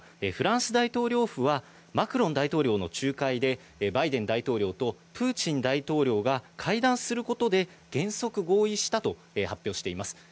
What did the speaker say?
フランス大統領府はマクロン大統領の仲介でバイデン大統領とプーチン大統領が会談することで原則、合意したと発表しています。